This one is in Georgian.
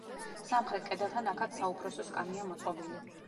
სამხრეთ კედელთან აქაც „საუფროსო სკამია“ მოწყობილი.